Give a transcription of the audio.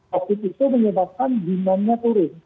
covid itu menyebabkan demandnya turun